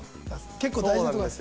結構大事なとこです